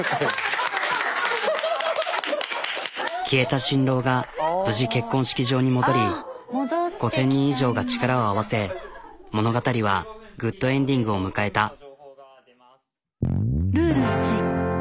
消えた新郎が無事結婚式場に戻り５、０００人以上が力を合わせ物語はグッドエンディングを迎えた。